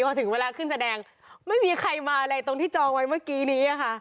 พอถึงเวลาขึ้นแสดงไม่มีใครมาเลยตรงที่จองไว้เมื่อกี้นี้ค่ะ